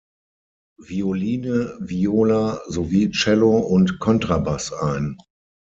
Violine, Viola sowie Cello und Kontrabass ein.